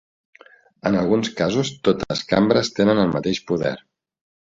En alguns casos totes cambres tenen el mateix poder.